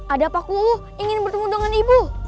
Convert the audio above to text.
ada pak kuu ingin bertemu dengan ibu